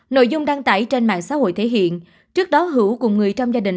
nội dung đăng tải trên mạng xã hội thể hiện trước đó hữu cùng người trong gia đình